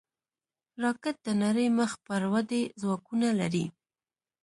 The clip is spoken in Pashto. راکټ د نړۍ مخ پر ودې ځواکونه لري